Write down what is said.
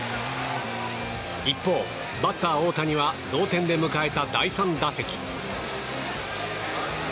一方、バッター大谷は同点で迎えた第３打席。